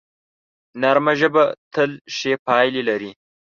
نرمه ژبه تل ښې پایلې لري